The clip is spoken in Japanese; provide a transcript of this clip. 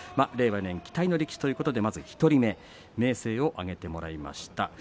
令和４年、期待の力士ということでまず１人目明生を挙げてもらいました。